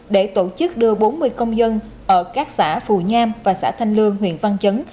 để tổ chức đưa bốn mươi công dân ở các xã phù nham và xã thanh lương huyện văn chấn